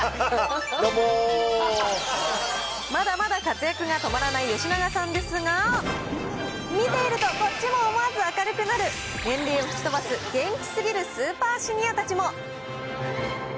まだまだ活躍が止まらない吉永さんですが、見ているとこっちも思わず明るくなる、年齢を吹き飛ばす元気すぎるスーパーシニアたちも。